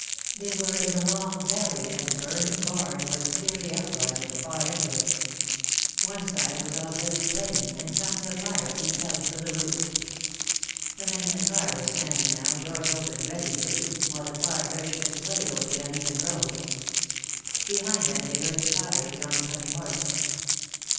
They were in a long valley, and the burning barn was clearly outlined at the far end of it. One side was already flaming, and tongues of fire leaped out through the roof. The men in the car were standing now, doors open, ready to leap, while the car lurched and swayed over the uneven road. Behind them they heard the clatter of the oncoming horse.